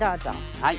はい。